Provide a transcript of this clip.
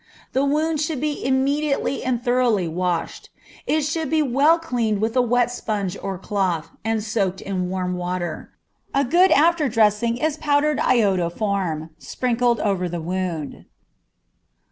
The wound should be immediately and thoroughly washed. It should be well cleaned with a wet sponge or cloth, and soaked in warm water. A good after dressing is powdered iodoform, sprinkled over the wound.